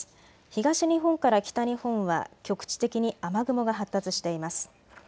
東日本から北日本は局地的に雨雲が発達しています。